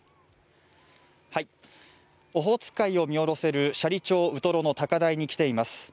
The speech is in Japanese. オホーツク海を見下ろせる斜里町ウトロの高台に来ています。